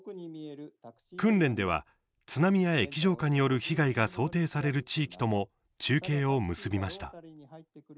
訓練では津波や液状化による被害が想定される地域とも中継を結びました。